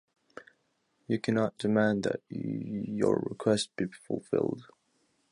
You cannot demand that your request be fulfilled.